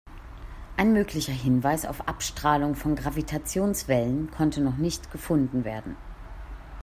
Ein möglicher Hinweis auf Abstrahlung von Gravitationswellen konnte noch nicht gefunden werden.